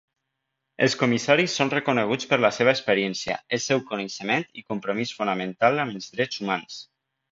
Els comissaris són reconeguts per la seva experiència, el seu coneixement i compromís fonamental amb els drets humans.